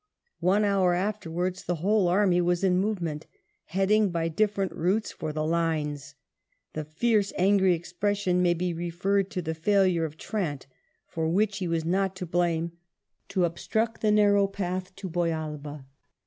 One hour afterwards the whole army was in movement," heading by different routes for the Lines. The "fierce, angry, expression" may be referred to the failure of Trant, for which he was not to blame, to obstruct the narrow path to Boyalva.